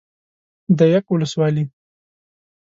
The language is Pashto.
ديک ولسوالي